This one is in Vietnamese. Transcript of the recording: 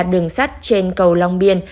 đường sắt trên cầu long biên